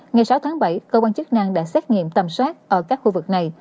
ngày sáu tháng bảy cơ quan chức năng đã xét nghiệm tầm soát ở các khu vực này